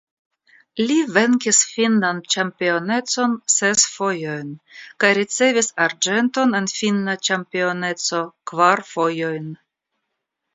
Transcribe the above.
Li venkis finnan ĉampionecon ses fojojn kaj ricevis arĝenton en finna ĉampioneco kvar fojojn.